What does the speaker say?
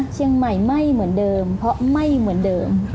เชียงใหม่ไม่เหมือนเดิมเพราะไม่เหมือนเดิม